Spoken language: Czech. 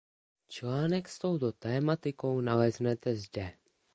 Článek s touto tematikou naleznete zde.